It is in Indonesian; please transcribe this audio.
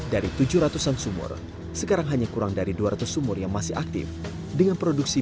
dari tujuh ratus an sumur sekarang hanya kurang dari dua ratus sumur yang masih aktif dengan produksi